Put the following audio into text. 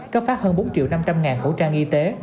cấp phát hơn bốn triệu năm trăm linh ngàn khẩu trang y tế